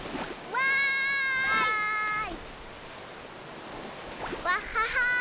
わい！